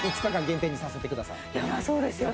いやそうですよね。